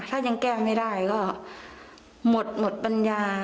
ถ้ายังแก้ไม่ได้ก็หมดหมดปัญญา